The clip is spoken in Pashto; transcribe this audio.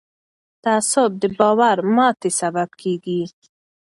تعصب د باور ماتې سبب کېږي